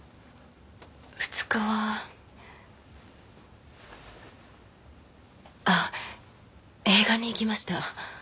２日はあっ映画に行きました